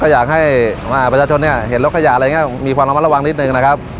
อยากให้ประชาชนเนี่ยเห็นรถขยะอะไรอย่างนี้มีความระมัดระวังนิดนึงนะครับ